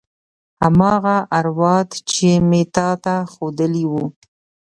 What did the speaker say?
هماغه اوراد چې مې تا ته خودلي وو.